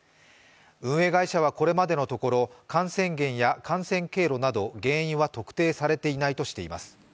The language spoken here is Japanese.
運営会社はこれまでのところ感染源や感染経路など原因は特定されていないということです。